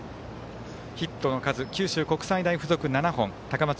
ヒットの数、九州国際大付属７本高松